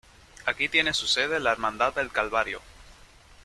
Aquí tiene su sede la Hermandad del Calvario.